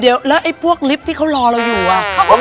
เป็นคลิปที่เขารอเราอยู่อะ